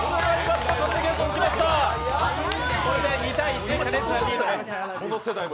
これで２−１、兼近さん、リードです。